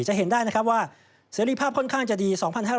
จะเห็นได้นะครับว่าเสรีภาพค่อนข้างจะดี๒๕๕๙